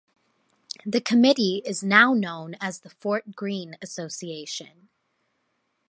The Committee is now known as the Fort Greene Association.